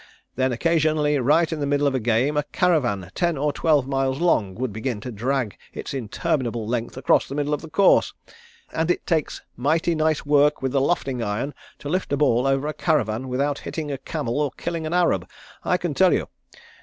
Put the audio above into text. Then occasionally right in the middle of a game a caravan ten or twelve miles long, would begin to drag its interminable length across the middle of the course, and it takes mighty nice work with the lofting iron to lift a ball over a caravan without hitting a camel or killing an Arab, I can tell you.